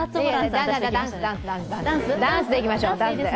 ダンスでいきましょう。